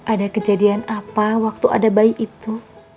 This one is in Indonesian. ada kejadian apa waktu ada bayi itu